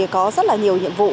có rất là nhiều nhiệm vụ